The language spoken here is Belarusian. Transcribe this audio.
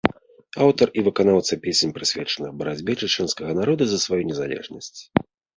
Аўтар і выканаўца песень прысвечаных барацьбе чачэнскага народа за сваю незалежнасць.